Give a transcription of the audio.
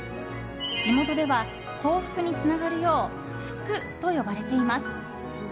地元では、幸福につながるよう「ふく」と呼ばれています。